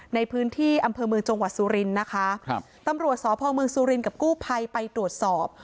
ในพื้นที่อำเภอเมืองจังหวัดสุรินทร์นะคะครับตำรวจสพเมืองสุรินกับกู้ภัยไปตรวจสอบ